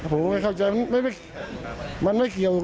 ผมไม่เข้าใจ